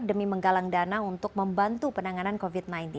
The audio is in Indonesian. demi menggalang dana untuk membantu penanganan covid sembilan belas